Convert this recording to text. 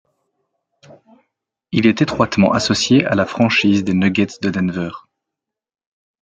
Il est étroitement associé à la franchise des Nuggets de Denver.